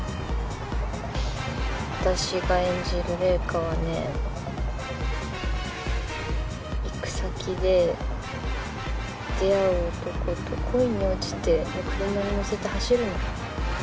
私が演じるレイカはね行く先で出会う男と恋に落ちて車に乗せて走るの。